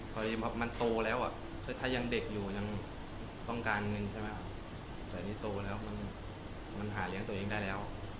พอมันโตแล้วถ้ายังเด็กอยู่ยังต้องการเงินใช่ไหมแต่นี่โตแล้วมันหาเลี้ยงตัวเองได้แล้ว